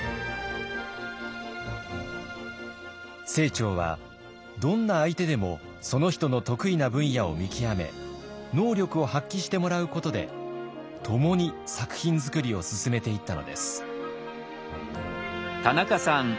清張はどんな相手でもその人の得意な分野を見極め能力を発揮してもらうことで共に作品作りを進めていったのです。